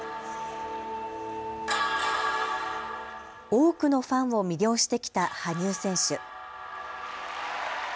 多くのファンを魅了してきた羽生選手。